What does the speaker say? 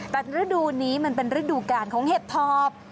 แต่ฤดูนี้มันเป็นฤดูกาลของเห็ดทอบ